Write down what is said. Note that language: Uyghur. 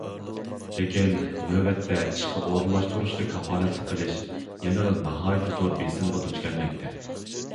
لېكىن نۆۋەتتە ئىشقا ئورۇنلاشتۇرۇشقا كاپالەتلىك قىلىش يەنىلا ناھايىتى زور بېسىمغا دۇچ كەلمەكتە.